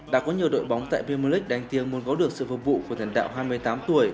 đã có nhiều đội bóng tại pimulic đánh tiếng muốn gấu được sự phục vụ của thần đạo hai mươi tám tuổi